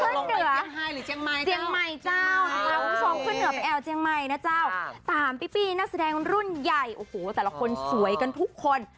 ลงไปเจียงไทยหรือเจียงใหม่เจ้าตามปิ๊ปปี้นักแสดงรุ่นใหญ่แต่ละคนสวยกันทุกคน